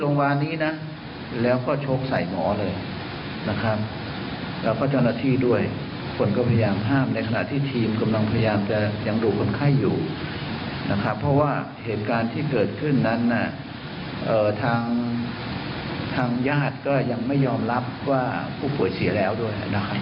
เมื่อวานนี้นะแล้วก็ชกใส่หมอเลยนะครับแล้วก็เจ้าหน้าที่ด้วยคนก็พยายามห้ามในขณะที่ทีมกำลังพยายามจะยังดูคนไข้อยู่นะครับเพราะว่าเหตุการณ์ที่เกิดขึ้นนั้นน่ะทางทางญาติก็ยังไม่ยอมรับว่าผู้ป่วยเสียแล้วด้วยนะครับ